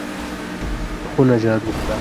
خونه جارو کړه!